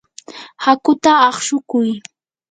hakuta aqshukuy.